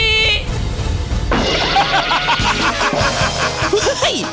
คือ